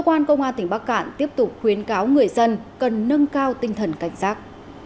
cơ quan công an tỉnh bắc cạn tiếp tục khuyến cáo người dân cần nâng cao tinh thần cảnh giác